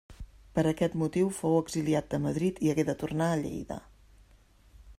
Per aquest motiu fou exiliat de Madrid i hagué de tornar a Lleida.